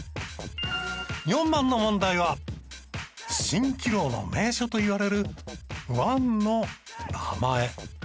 ４番の問題は「蜃気楼の名所」といわれる湾の名前。